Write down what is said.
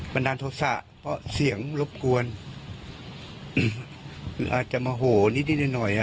มันดันทรศะเพราะเสียงรบกวนอาจจะมโหนิดนึงหน่อยอ่ะ